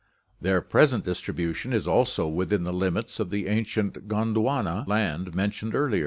1 Their present distribution is also within the limits of the ancient Gondwana land mentioned above.